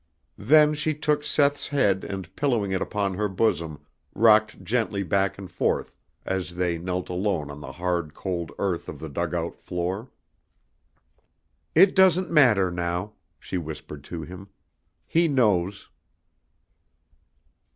Then she took Seth's head and pillowing it upon her bosom, rocked gently back and forth as they knelt alone on the hard cold earth of the dugout floor. "It doesn't matter now," she whispered to him; "he knows."